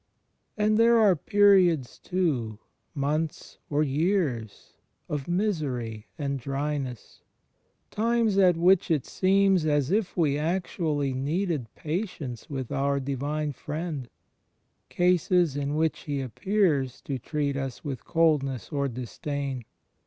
And there are periods, too — months or years — of misery and dryness: times at which it seems as if we actually needed patience with our Divine Friend; cases in which He appears to treat us with coldness or dis dain.